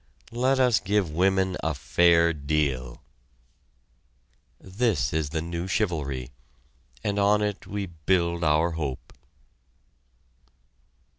Let us give women a fair deal!" This is the new chivalry and on it we build our hope.